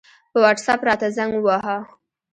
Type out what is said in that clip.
په وټساپ راته زنګ ووهه